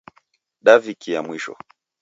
Dav'ikia mwisho